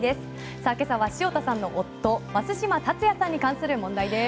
さあ今朝は潮田さんの夫増嶋竜也さんに関する問題です。